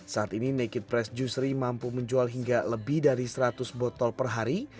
saat ini naked press juicery mampu menjual hingga lebih dari seratus botol per hari